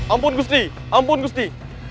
ampun gusti ampun gusti